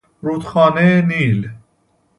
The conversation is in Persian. رودخانه نیل